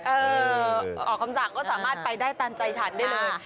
เออออกคำสั่งก็สามารถไปได้ตามใจฉันได้เลย